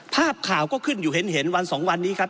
ภาพข่าวก็ขึ้นอยู่เห็นวันสองวันนี้ครับ